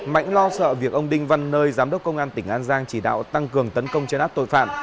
mãnh lo sợ việc ông đinh văn nơi giám đốc công an tp an giang chỉ đạo tăng cường tấn công trên áp tội phạm